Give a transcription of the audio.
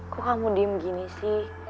kok kamu diem gini sih